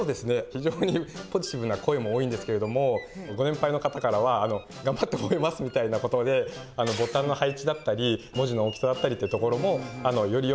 非常にポジティブな声も多いんですけれどもご年配の方からはがんばって覚えますみたいなことでボタンの配置だったり文字の大きさだったりってところもより